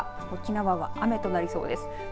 沖縄、雨となりそうです。